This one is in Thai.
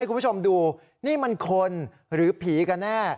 คุณผู้ชมดูนี่มันคนหรือผีกันแน่